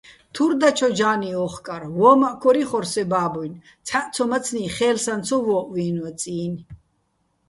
თურ დაჩო ჯა́ნი ო́ხკარ, ვო́მაჸ ქორ იხორ სე ბა́ბუჲნი̆, ცჰ̦აჸცომაცნი́ ხე́ლსაჼ ცო ვო́ჸვიენვა წი́ნი̆.